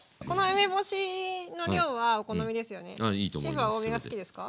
シェフは多めが好きですか？